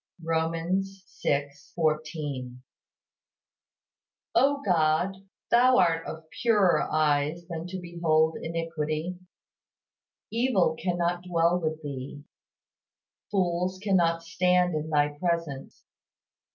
Rom. vi. 14. O God, Thou art of purer eyes than to behold iniquity. Evil cannot dwell with Thee, fools cannot stand in Thy presence.